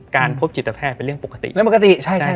การพบจิตแพทย์เป็นเรื่องปกติ